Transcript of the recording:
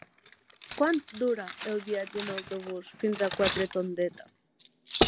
Quant dura el viatge en autobús fins a Quatretondeta?